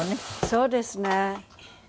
そうですね。